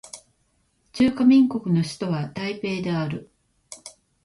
中華民国の首都は台北である